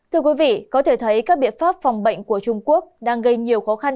thưa quý vị có thể thấy các biện pháp phòng bệnh của trung quốc đang gây nhiều khó khăn